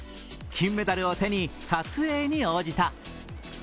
金メダルを手に、撮影に応じた。